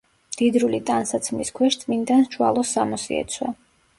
მდიდრული ტანსაცმლის ქვეშ წმინდანს ჯვალოს სამოსი ეცვა.